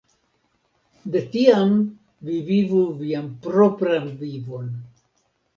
De tiam vi vivu vian propran vivon.